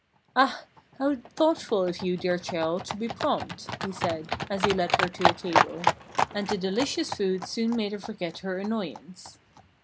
"Ah! how thoughtful of you, dear child, to be prompt!" he said, as he led her to a table. And the delicious food soon made her forget her annoyance.